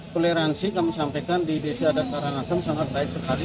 toleransi kami sampaikan di desa adat karangasem sangat baik sekali